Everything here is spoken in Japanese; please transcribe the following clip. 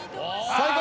最高！